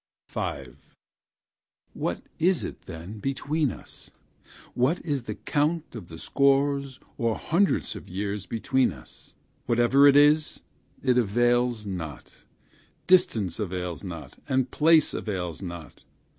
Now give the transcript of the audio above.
What is it, then, between us? What is the count of the scores or hundreds of years between us? Whatever it is, it avails not distance avails not, and place avails not.